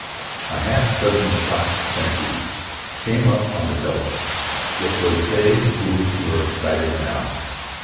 A half dozen shocked sentries came up on the double. It was they who were excited now.